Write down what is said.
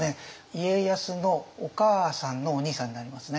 家康のお母さんのお兄さんになりますね。